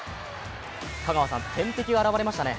香川さん、天敵が現れましたね。